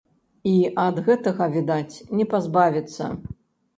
І ад гэтага, відаць, не пазбавіцца.